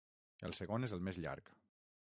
El segon és el més llarg.